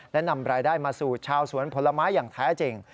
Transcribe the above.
และนำรายได้มาสู่ชาวสวนผลไม้อย่างแท้จริง